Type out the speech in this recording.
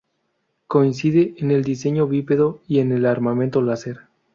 Coincide en el diseño bípedo y en el armamento láser.